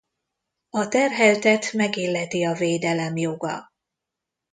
A terheltet megilleti a védelem joga.